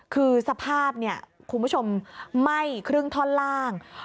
คือสภาพเนี่ยคุณผู้ชมไหม้ครึ่งท่อนล่าง